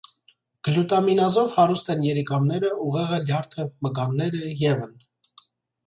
Գլյուտամինազով հարուստ են երիկամները, ուղեղը, լյարդը, մկանները ևն։